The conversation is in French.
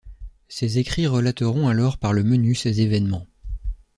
Ses écrits relateront alors par le menu ces événements.